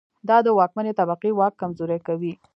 دا د واکمنې طبقې واک کمزوری کوي.